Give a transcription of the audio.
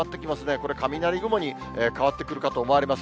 これ、雷雲に変わってくるかと思われます。